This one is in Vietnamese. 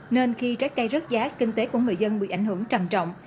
nên khi trái cây rớt giá kinh tế của người dân bị ảnh hưởng trầm trọng